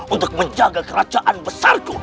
untuk menjaga kerajaan besarku